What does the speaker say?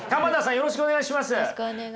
よろしくお願いします。